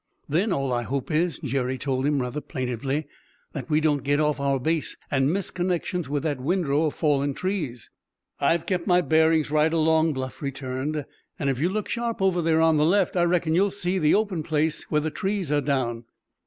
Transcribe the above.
"Then all I hope is," Jerry told him rather plaintively, "that we don't get off our base, and miss connections with that windrow of fallen trees." "I've kept my bearings right along," Bluff returned, "and if you look sharp over there on the left I reckon you'll see the open place where the trees are down."